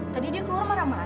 tadi dia keluar marah marah